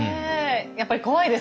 やっぱり怖いですよね。